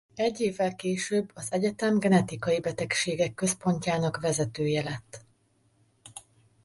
Egy évvel később az egyetem Genetikai Betegségek Központjának vezetője lett.